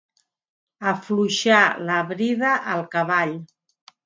Afluixar la brida al cavall.